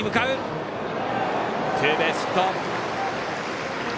ツーベースヒット。